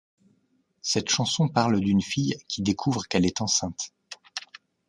Cette chanson parle d'une fille qui découvre qu'elle est enceinte.